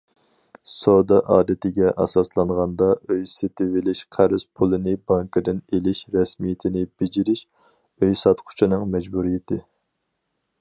سودا ئادىتىگە ئاساسلانغاندا، ئۆي سېتىۋېلىش قەرز پۇلىنى بانكىدىن ئېلىش رەسمىيىتىنى بېجىرىش ئۆي ساتقۇچىنىڭ مەجبۇرىيىتى.